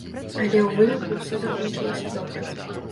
Але ў выніку ўсё закончылася добра.